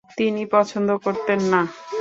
তিনি পছন্দ করতেন না।